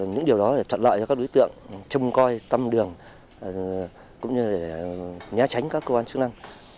những điều đó trận lợi cho các đối tượng trông coi tâm đường cũng như nhá tránh các cơ quan chức năng